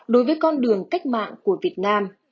đối với con đường cách mạng của việt nam